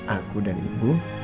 aku dan ibu